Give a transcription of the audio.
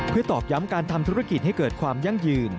ตอกย้ำการทำธุรกิจให้เกิดความยั่งยืน